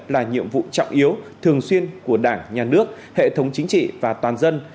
là nhiệm vụ trọng yếu thường xuyên của đảng nhà nước hệ thống chính trị và toàn dân